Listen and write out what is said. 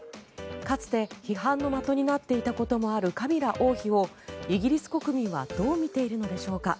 かつて批判の的になっていたこともあるカミラ王妃をイギリス国民はどう見ているのでしょうか。